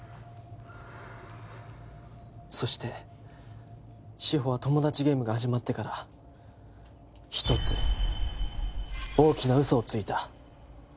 そして志法はトモダチゲームが始まってから一つ大きな嘘をついた。